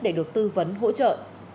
để được tư vấn hỗ trợ